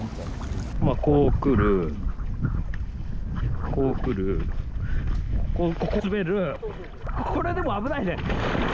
こうくる、こうくる、こうくる、これでも危ないね。